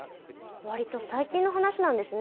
わりと最近の話なんですね。